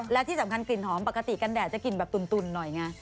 และที่สำคัญกลิ่นหอมปกติกันแดดจะกลิ่นแบบตุ่นหน่อยไง